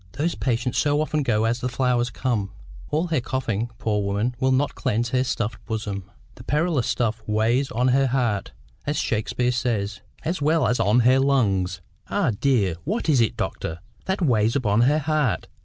Those patients so often go as the flowers come! All her coughing, poor woman, will not cleanse her stuffed bosom. The perilous stuff weighs on her heart, as Shakespeare says, as well as on her lungs." "Ah, dear! What is it, doctor, that weighs upon her heart?